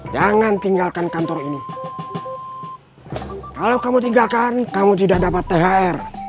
jangan tinggalkan kantor ini kalau kamu tinggalkan kamu tidak dapat thr